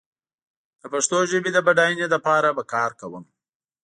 د پښتو ژبې د بډايينې لپاره به کار کوم